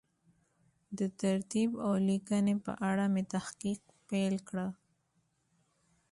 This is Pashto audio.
د ترتیب او لیکنې په اړه مې تحقیق پیل کړ.